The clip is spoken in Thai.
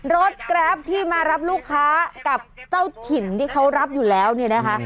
แกรปที่มารับลูกค้ากับเจ้าถิ่นที่เขารับอยู่แล้วเนี่ยนะคะ